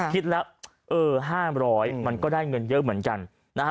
คิดแล้วเออ๕๐๐มันก็ได้เงินเยอะเหมือนกันนะฮะ